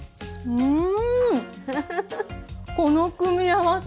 うん。